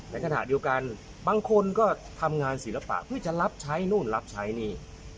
ในขณะเดียวกันบางคนก็ทำงานศิลปะเพื่อจะรับใช้นู่นรับใช้นี่